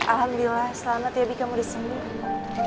alhamdulillah selamat ya bi kamu disembuh